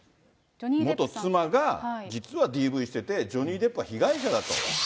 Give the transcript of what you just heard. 元妻が実はＤＶしてて、ジョニー・デップは被害者だと。